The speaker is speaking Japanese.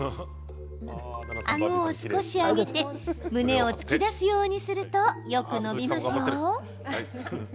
あごを少し上げて胸を突き出すようにするとよく伸びますよ。